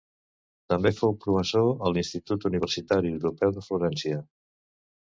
També fou professor a l'Institut Universitari Europeu de Florència.